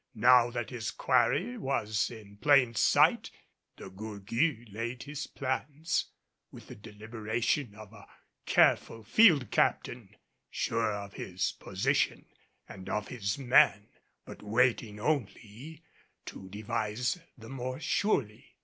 Now that his quarry was in plain sight, De Gourgues laid his plans with the deliberation of a careful field captain, sure of his position and of his men, but waiting only to devise the more surely.